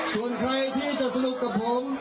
ส่วนใครที่จะสนุกกับผม